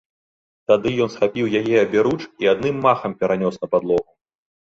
Тады ён схапіў яе аберуч і адным махам перанёс на падлогу.